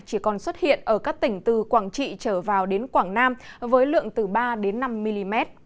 chỉ còn xuất hiện ở các tỉnh từ quảng trị trở vào đến quảng nam với lượng từ ba năm mm